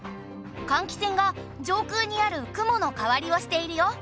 換気扇が上空にある雲の代わりをしているよ。